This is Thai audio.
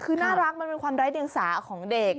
คือน่ารักมันเป็นความไร้เดียงสาของเด็ก